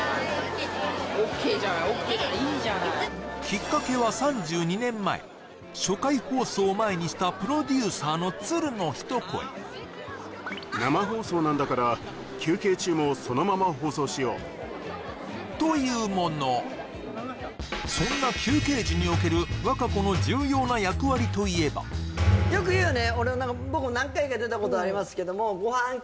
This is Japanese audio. ＯＫじゃないいいじゃないきっかけは３２年前初回放送を前にしたプロデューサーの鶴の一声というものそんな休憩時における和歌子の重要な役割といえば昔はね